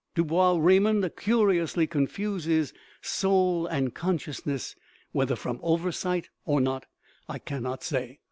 Du Bois Reymond curiously confuses " soul " and " consciousness "; whether from oversight or not I cannot say.